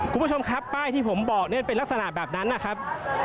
คุณผู้ชมครับป้ายที่ผมบอกเนี่ยเป็นลักษณะแบบนั้นนะครับ